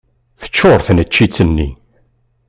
Teččuṛ tneččit-nni.